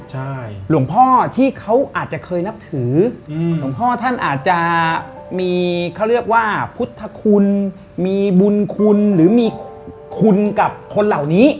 ใช่หลวงพ่อที่เขาอาจจะเคยนับถือหลวงพ่อท่านอาจจะมีเขาเรียกว่าพุทธคุณมีบุญคุณหรือมีคุณกับคนเหล่านี้